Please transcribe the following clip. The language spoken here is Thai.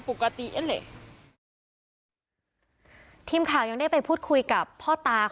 ปกติแอเลยทีมข่าวยังได้ไปพูดคุยกับพ่อตาของ